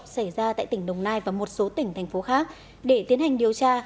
xảy ra tại tỉnh đồng nai và một số tỉnh thành phố khác để tiến hành điều tra